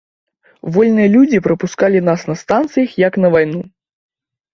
Вольныя людзі прапускалі нас на станцыях як на вайну.